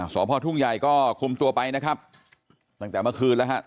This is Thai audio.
สพทุ่งใหญ่ก็คุมตัวไปนะครับตั้งแต่เมื่อคืนแล้วฮะ